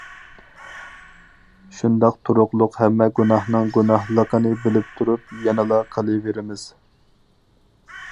شۇنداق تۇرۇقلۇق ھەممە گۇناھنىڭ گۇناھلىقىنى بىلىپ تۇرۇپ يەنىلا قىلىۋېرىمىز.